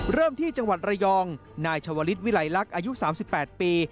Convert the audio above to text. เริ่มที่จังหวัดระยองนายชาวลิศวิลัยลักษณ์อายุ๓๘ปี